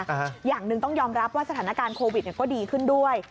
อย่างหนึ่งต้องยอมรับว่าสถานการณ์โควิดเนี่ยก็ดีขึ้นด้วย